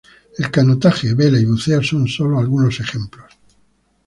El canotaje, vela y buceo son sólo algunos ejemplos.